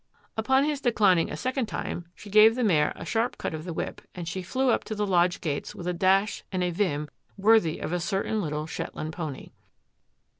Upon his declining a second time she gave the mare a smart cut of the whip, and she flew up to the lodge gates with a dash and a vim worthy a certain little Shetland pony.